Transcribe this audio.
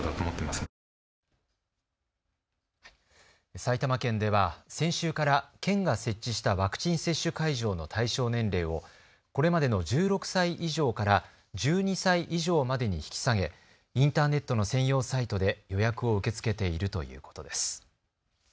埼玉県では先週から県が設置したワクチン接種会場の対象年齢をこれまでの１６歳以上から１２歳以上までに引き下げインターネットの専用サイトで予約を受け付けているということです。